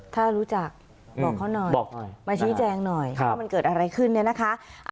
ถ้ารู้จักบอกเขาหน่อยมาชี้แจงหน่อยว่ามันเกิดอะไรขึ้นเนี่ยนะคะ